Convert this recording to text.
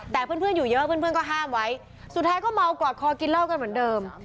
แต่เพื่อนอยู่เยอะเพื่อนก็ห้ามไว้สุดท้ายก็เมากอดคอกินเหล้ากันเหมือนเดิม